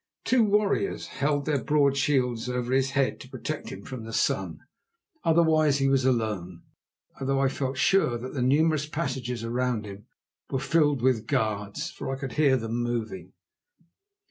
Two warriors held their broad shields over his head to protect him from the sun. Otherwise he was alone, although I felt sure that the numerous passages around him were filled with guards, for I could hear them moving.